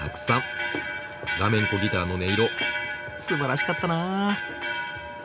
フラメンコギターの音色すばらしかったな。